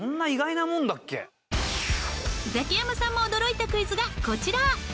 ザキヤマさんも驚いたクイズがこちら。